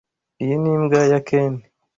Iyi ni imbwa ya Ken.